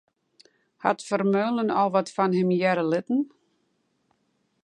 Hat Vermeulen al wat fan him hearre litten?